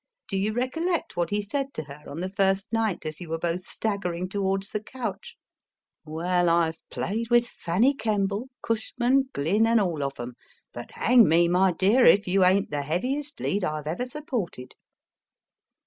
Do you recollect what he said to her, on the first night, as you were both staggering towards the couch? " Well, I ve played with Fanny Kemble, Cushman, Glyn, and ~~~ UNIVERSITY 226 MY FIRST BOOK all of them, but hang me, my dear, if you ain t the heaviest lead I ve ever supported."